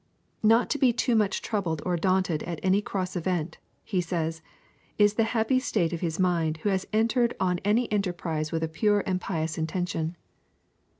'Not to be too much troubled or daunted at any cross event,' he says, 'is the happy state of his mind who has entered on any enterprise with a pure and pious intention.